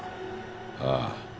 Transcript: ああ。